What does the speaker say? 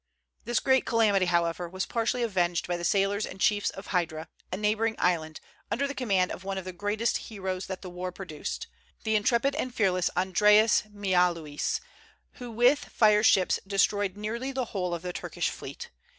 This great calamity, however, was partially avenged by the sailors and chiefs of Hydra, a neighboring island, under the command of one of the greatest heroes that the war produced, the intrepid and fearless Andreas Miaulis, who with fire ships destroyed nearly the whole of the Turkish fleet.